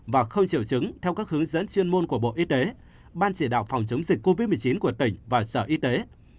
và khơi triệu chứng theo các hướng dẫn chuyên môn của bộ y tế ban chỉ đạo phòng chống dịch covid một mươi chín của tỉnh và sở y tế